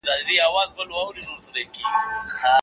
هغه وویل چې پښتو ژبه د مینې او ورورولۍ پيغام له ځان سره لري.